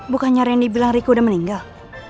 bukannya rini bilang riki udah meninggal